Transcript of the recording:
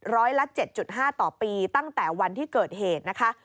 ร้อยละ๗๕ต่อปีตั้งแต่วันที่เกิดเหตุนะคะ